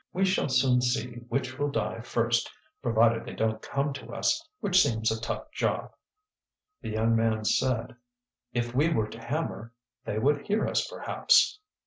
We shall soon see which will die first, provided they don't come to us, which seems a tough job." The young man said: "If we were to hammer, they would hear us, perhaps."